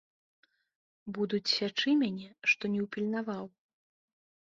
Будуць сячы мяне, што не ўпільнаваў.